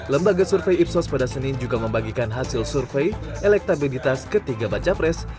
lembaga survei ipsos pada senin juga membagikan hasil survei elektabilitas ketiga baca pres